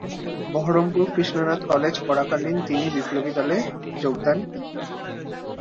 Baharampur Krishnanath college পড়াকালীন তিনি বিপ্লবী দলে যোগ দেন।